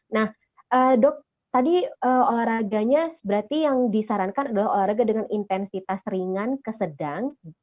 nah dok tadi olahraganya berarti yang disarankan adalah olahraga dengan intensitas ringan kesedang